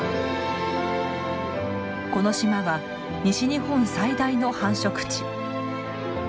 この島は西日本最大の繁殖地。